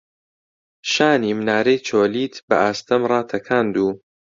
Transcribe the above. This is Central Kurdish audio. شانی منارەی چۆلیت بە ئاستەم ڕاتەکاند و